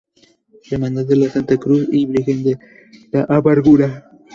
Hermandad de la Santa Cruz y Virgen de la Amargura.